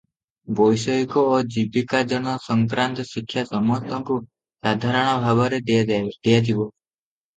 ବୈଷୟିକ ଓ ଜୀବିକାର୍ଜନ ସଂକ୍ରାନ୍ତ ଶିକ୍ଷା ସମସ୍ତଙ୍କୁ ସାଧାରଣ ଭାବରେ ଦିଆଯିବ ।